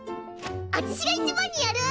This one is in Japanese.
あちしが一番にやる！